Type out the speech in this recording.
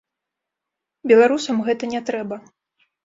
Беларусам гэта не трэба.